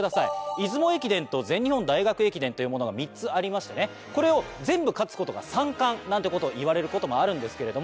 出雲駅伝と全日本大学駅伝というものが３つありましてこれを全部勝つことが３冠なんてことをいわれることもあるんですけども。